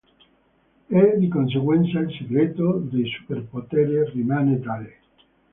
E di conseguenza il segreto dei superpoteri rimane tale.